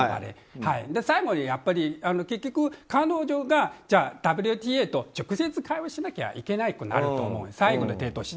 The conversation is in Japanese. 最後に結局、彼女がＷＴＡと直接、会話しなきゃいけないとなると思う、最後の手として。